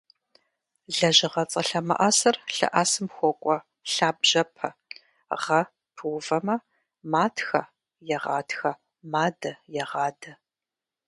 Лэжьыгъэцӏэ лъэмыӏэсыр лъэӏэсым хуокӏуэ лъабжьэпэ - гъэ пыувэмэ: матхэ - егъатхэ, мадэ - егъадэ.